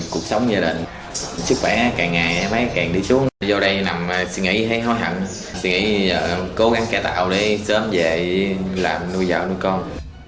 cuộc sống gia đình sức khỏe càng ngày mấy càng đi xuống vô đây nằm suy nghĩ hay hóa hẳn suy nghĩ cố gắng kẻ tạo để sớm về làm nuôi dạo nuôi con